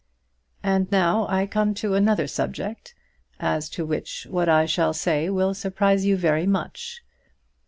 And now I come to another subject, as to which what I shall say will surprise you very much.